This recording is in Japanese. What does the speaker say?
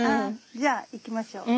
じゃあ行きましょう。